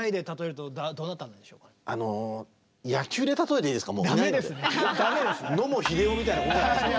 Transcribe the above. あの野茂英雄みたいなことじゃないですか。